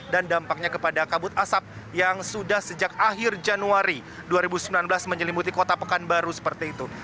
dan dampaknya kepada kabut asap yang sudah sejak akhir januari dua ribu sembilan belas menyelimuti kota pekanbaru seperti itu